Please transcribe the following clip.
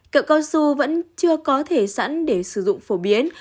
cậu cao su vẫn chưa có thể sẵn để sử dụng phổ biến